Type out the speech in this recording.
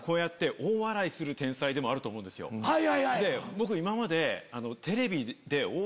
僕今まで。